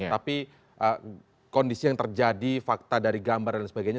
tapi kondisi yang terjadi fakta dari gambar dan sebagainya